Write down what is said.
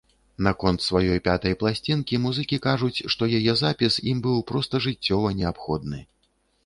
Наконт сваёй пятай пласцінкі музыкі кажуць, што яе запіс ім быў проста жыццёва неабходны.